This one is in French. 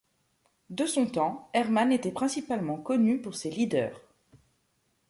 De son temps, Herrmann était principalement connu pour ses lieder.